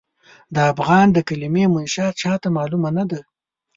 د افغان د کلمې منشا چاته معلومه نه ده.